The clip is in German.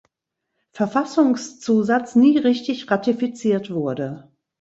Verfassungszusatz nie richtig ratifiziert wurde.